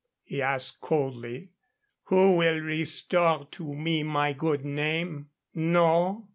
he asked, coldly. "Who will restore to me my good name? No.